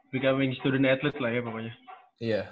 becoming student athlete lah ya pokoknya